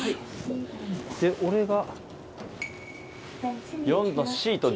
で俺が。